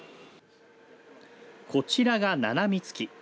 こちらが、ななみつき。